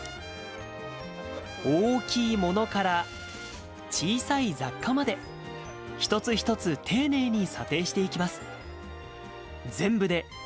大きいものから小さい雑貨まで、一つ一つ丁寧に査定していきます。